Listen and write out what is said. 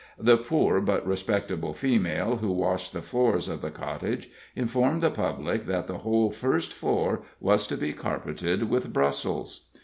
The poor but respectable female who washed the floors of the cottage informed the public that the whole first floor was to be carpeted with Brussels.